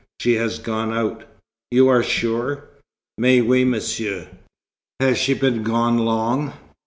She had gone out. "You are sure?" "Mais, oui, monsieur." "Has she been gone long?"